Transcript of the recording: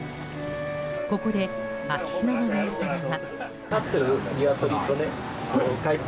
ここで、秋篠宮さまは。